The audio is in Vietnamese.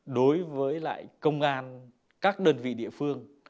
đối với lại công an các đơn vị địa phương